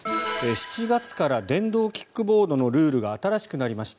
７月から電動キックボードのルールが新しくなりました。